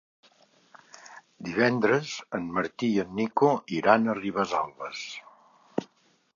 Divendres en Martí i en Nico iran a Ribesalbes.